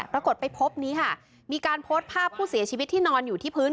ปรากฏไปพบนี้ค่ะมีการโพสต์ภาพผู้เสียชีวิตที่นอนอยู่ที่พื้น